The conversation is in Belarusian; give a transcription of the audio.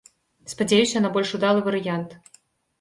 Спадзяюся на больш удалы варыянт.